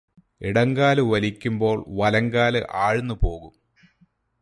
ഇടങ്കാലു വലിക്കുമ്പോള് വലങ്കാല് ആഴ്ന്നു പോകും